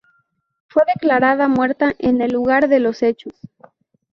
Fue declarada muerta en el lugar de los hechos.